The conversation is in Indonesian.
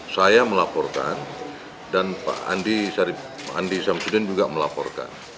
saya melaporkan dan pak andi samsudin juga melaporkan